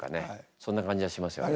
そんな感じがしますよね